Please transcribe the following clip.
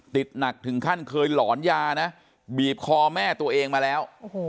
หนักถึงขั้นเคยหลอนยานะบีบคอแม่ตัวเองมาแล้ว